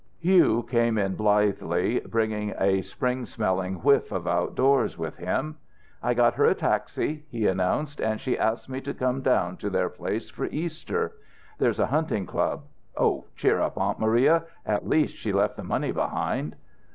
Hugh came in blithely, bringing a spring smelling whiff of outdoors with him. "I got her a taxi," he announced, "and she asked me to come down to their place for Easter. There's a hunting club. Oh cheer up, Aunt Maria! At least she left the money behind."